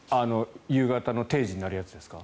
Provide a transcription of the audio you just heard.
夕方の定時に鳴るやつですか？